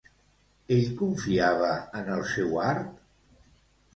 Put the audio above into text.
Ell confiava en el seu art?